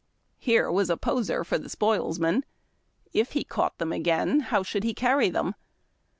Here was a poser for the spoils man. If he caught them again, how should he carry them